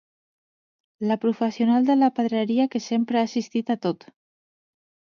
La professional de la pedreria que sempre ha assistit a tot.